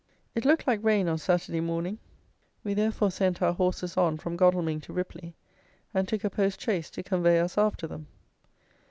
It looked like rain on Saturday morning, we therefore sent our horses on from Godalming to Ripley, and took a post chaise to convey us after them.